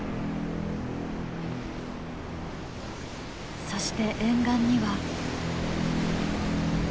そして沿岸には。